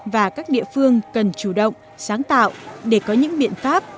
và các địa phương cần chủ động sáng tạo để có những biện pháp